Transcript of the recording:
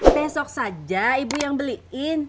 besok saja ibu yang beliin